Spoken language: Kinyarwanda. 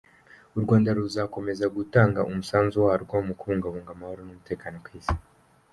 U Rwanda ruzakomeza gutanga umusanzu warwo mu kubungabunga amahoro n’umutekano ku isi.